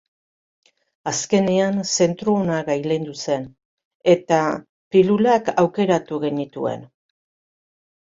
Azkenean zentzu ona gailendu zen, eta pilulak aukeratu genituen.